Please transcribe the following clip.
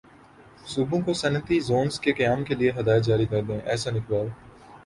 صوبوں کو صنعتی زونز کے قیام کیلئے ہدایات جاری کردیں احسن اقبال